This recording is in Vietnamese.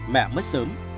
mẹ mất sớm